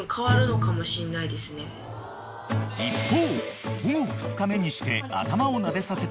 ［一方］